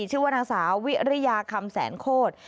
ชื่อว่านางสาววิริยาคำแสนโคตร